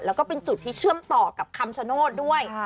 แล้วก็เป็นจุดที่เชื่อมต่อกับคำชโนธด้วย